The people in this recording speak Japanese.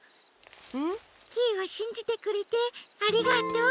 ん？キイをしんじてくれてありがとう。